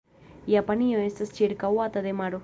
Japanio estas ĉirkaŭata de maro.